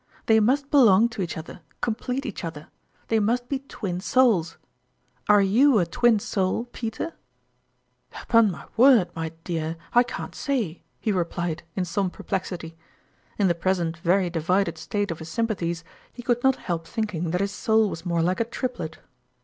They must belong to each other, complete each other they must be Twin Souls. Are you a Twin Soul, Peter ?"" Upon my word, my dear, I can't say !" he replied, in some perplexity. In the present very divided state of his sympathies, he could not help thinking that his Soul was more like a Triplet.